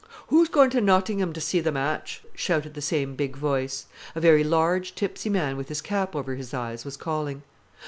"Who's goin' ter Nottingham ter see th' match?" shouted the same big voice. A very large, tipsy man, with his cap over his eyes, was calling.